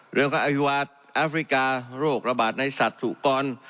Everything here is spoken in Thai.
เรื่องของอภิวาสอาฟริกาโรคระบาดในสัตว์สุกรรม